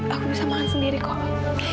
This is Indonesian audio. aku bisa makan sendiri kok